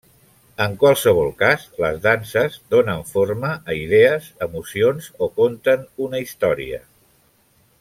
En qualsevol cas, les danses donen forma a idees, emocions o conten una història.